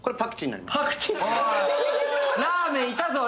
ラーメンいたぞ。